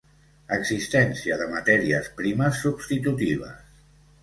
Existència de matèries primes substitutives.